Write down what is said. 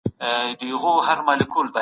انسان باید خپل خوب منظم کړي.